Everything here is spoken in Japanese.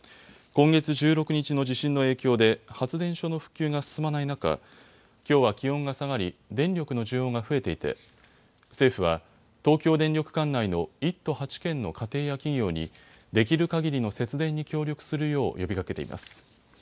今月１６日の地震の影響で発電所の復旧が進まない中、きょうは気温が下がり電力の需要が増えていて政府は東京電力管内の１都８県の家庭や企業にできるかぎりの節電に協力するよう呼びかけています。